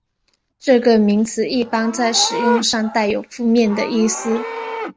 这个名词一般在使用上带有负面的意思。